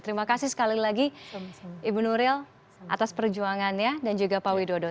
terima kasih sekali lagi ibu nuril atas perjuangannya dan juga pak widodo